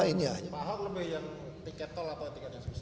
paham lebih yang tiket tol atau tiket yang susah